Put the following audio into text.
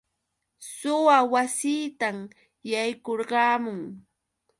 Suwa wasiitan yaykurqamun.